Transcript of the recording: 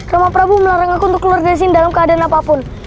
rumah prabu melarang aku untuk keluar dari sini dalam keadaan apapun